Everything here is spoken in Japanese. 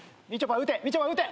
みちょぱ撃て！